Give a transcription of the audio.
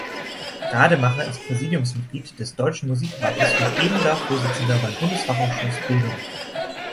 Rademacher ist Präsidiumsmitglied des Deutschen Musikrates und ebenda Vorsitzender beim „Bundesfachausschuss Bildung“.